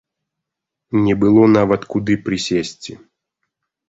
Не было нават куды прысесці.